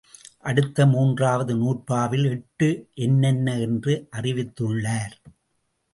அடுத்து மூன்றாவது நூற்பாவில் எட்டு என்னென்ன என்று அறிவித்துள்ளார்.